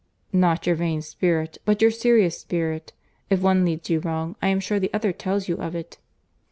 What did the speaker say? "Not your vain spirit, but your serious spirit.—If one leads you wrong, I am sure the other tells you of it."